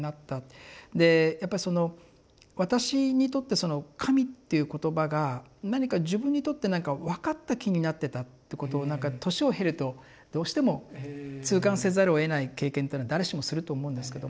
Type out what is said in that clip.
でやっぱりその私にとってその「神」っていう言葉が何か自分にとってなんか分かった気になってたってことをなんか年を経るとどうしても痛感せざるをえない経験っていうのは誰しもすると思うんですけども。